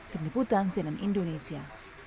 keniputan cnn indonesia